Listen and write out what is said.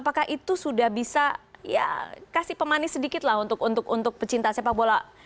apakah itu sudah bisa ya kasih pemanis sedikit lah untuk pecinta sepak bola